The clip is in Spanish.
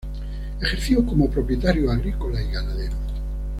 Ejerció como propietario agrícola y ganadero.